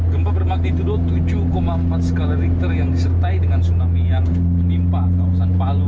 gempa bermagnitudo tujuh empat skala richter yang disertai dengan tsunami yang menimpa kawasan palu